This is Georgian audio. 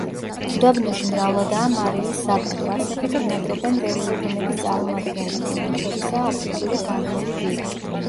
უდაბნოში მრავლადაა მარილის საბადო, ასევე ბინადრობენ ველური ბუნების წარმომადგენლები, მათ შორისაა აფრიკული გარეული ვირი.